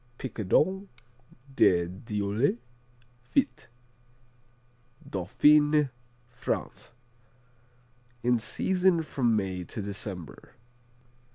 Picodon de Dieule Fit Dauphiné, France In season from May to December.